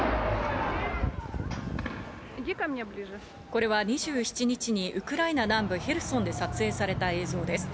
これは２７日にウクライナ南部ヘルソンで撮影された映像です。